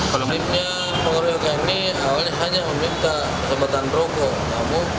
kalau menimbulkan pengeroyokan ini awalnya hanya meminta kesempatan rokok